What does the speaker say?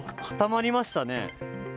固まりましたね。